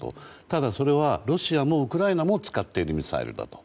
ただ、それはロシアもウクライナも使っているミサイルだと。